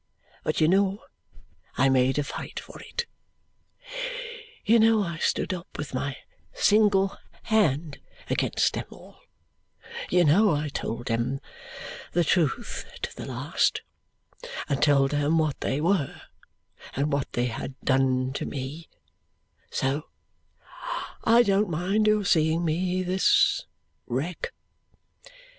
But you know I made a fight for it, you know I stood up with my single hand against them all, you know I told them the truth to the last, and told them what they were, and what they had done to me; so I don't mind your seeing me, this wreck."